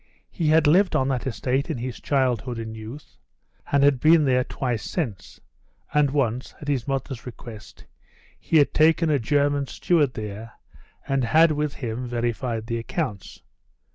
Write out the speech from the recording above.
He had lived on that estate in his childhood and youth, and had been there twice since, and once, at his mother's request, he had taken a German steward there, and had with him verified the accounts.